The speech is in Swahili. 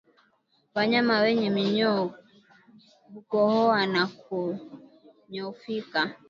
Wanyama wenye minyoo hukohoa na kunyoofika